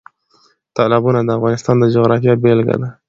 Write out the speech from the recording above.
تالابونه د افغانستان د جغرافیې بېلګه ده.